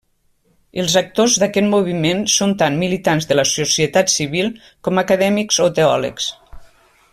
Els actors d'aquest moviment són tant militants de la societat civil com acadèmics o teòlegs.